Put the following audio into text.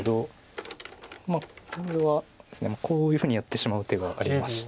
まあこれはこういうふうにやってしまう手がありまして。